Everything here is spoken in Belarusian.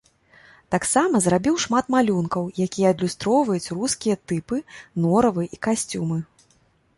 Таксама зрабіў шмат малюнкаў, якія адлюстроўваюць рускія тыпы, норавы і касцюмы.